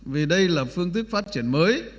vì đây là phương thức phát triển mới